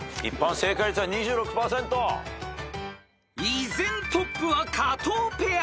［依然トップは加藤ペア］